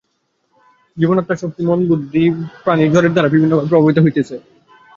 জীবাত্মার শক্তি, মন-বুদ্ধি ও প্রাণই জড়ের দ্বারা বিভিন্নভাবে প্রভাবিত হইতেছে।